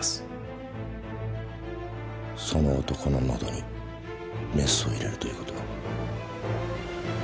その男ののどにメスを入れるという事は。